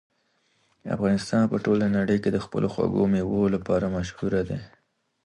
افغانستان په ټوله نړۍ کې د خپلو خوږو مېوو لپاره مشهور دی.